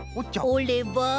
おれば？